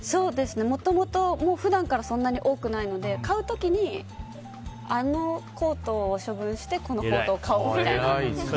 もともと普段からそんなに多くないので買う時にあのコートを処分してこのコートを買おうとか。